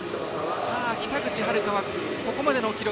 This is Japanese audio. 北口榛花はここまでの記録